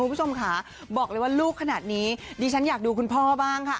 คุณผู้ชมค่ะบอกเลยว่าลูกขนาดนี้ดิฉันอยากดูคุณพ่อบ้างค่ะ